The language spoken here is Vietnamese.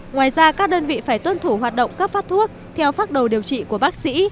ngoài ra các đơn vị phải tuân thủ hoạt động các phát thuốc theo phát đầu điều trị của bác sĩ